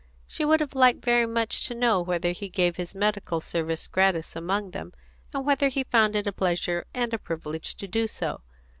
She would have liked very much to know whether he gave his medical service gratis among them, and whether he found it a pleasure and a privilege to do so.